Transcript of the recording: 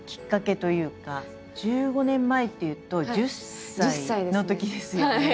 １５年前っていうと１０歳のときですよね。